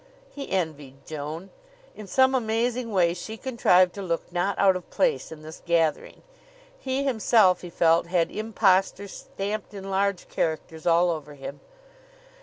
He envied Joan. In some amazing way she contrived to look not out of place in this gathering. He himself, he felt, had impostor stamped in large characters all over him.